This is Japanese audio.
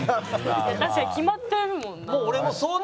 確かに決まってるもんな。